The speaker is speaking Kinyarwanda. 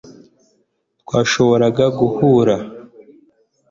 Twashoboraga guhunga